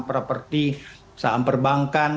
properti saham perbankan